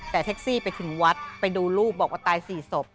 แต่แท็กซี่ไปถึงวัดไปดูลูกบอกว่าตาย๔ศพ